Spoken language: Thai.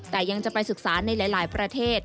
แต่ยังจะไปศึกษาในหลายประเทศ